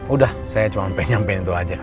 udah saya cuma pengen nyampein itu aja